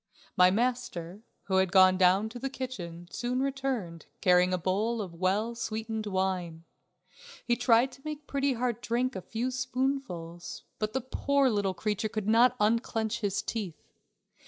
My master, who had gone down to the kitchen, soon returned, carrying a bowl of well sweetened wine. He tried to make Pretty Heart drink a few spoonfuls, but the poor little creature could not unclench his teeth.